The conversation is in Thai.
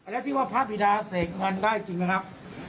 แล้วที่ว่าพระบิดาเสกเงินได้จริงไหมครับ